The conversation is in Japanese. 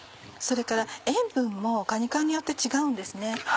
それから塩分もかに缶によって違うんです。